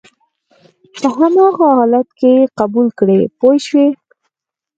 په هماغه حالت کې یې قبول کړئ پوه شوې!.